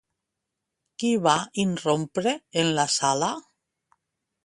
Qui va irrompre en la sala?